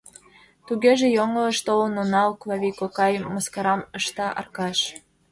— Тугеже, йоҥылыш толын онал, Клави кокай, — мыскарам ышта Аркаш.